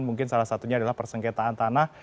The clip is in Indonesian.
mungkin salah satunya adalah persengketaan tanah